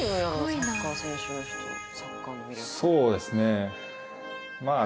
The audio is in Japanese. そうですねまあ。